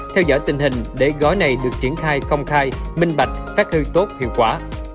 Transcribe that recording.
theo dõi tình hình để gói này được triển khai công khai minh bạch phát hơi tốt hiệu quả